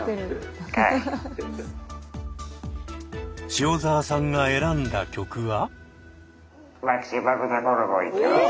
塩澤さんが選んだ曲は。